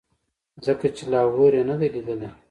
ځکه چې لاهور یې نه دی لیدلی.